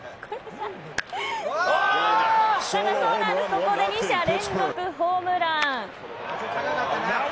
ここで２者連続ホームラン。